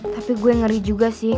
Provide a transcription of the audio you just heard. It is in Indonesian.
tapi gue ngeri juga sih